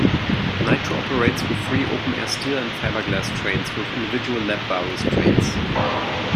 Nitro operates with three open-air steel and fiberglass trains with individual lap bar restraints.